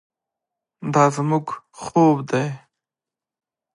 دا زموږ خوب دی.